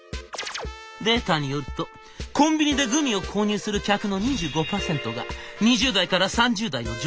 「データによるとコンビニでグミを購入する客の２５％が２０代から３０代の女性！